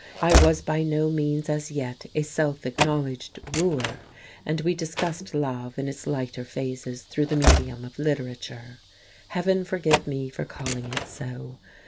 I was by no means as yet a self acknowledged wooer, and we discussed love in its lighter phases through the medium of literature. Heaven forgive me for calling it so!